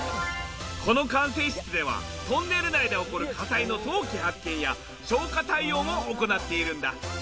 この管制室ではトンネル内で起こる火災の早期発見や消火対応を行っているんだ。